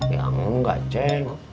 ya enggak ceng